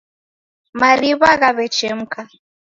mariw'a ghaw'echemka.